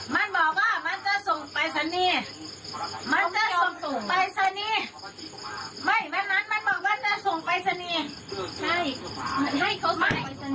มันไม่ต้องกลับบ้าน